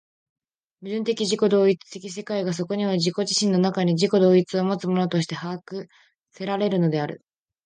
矛盾的自己同一的世界がそこには自己自身の中に自己同一をもつものとして把握せられるのである。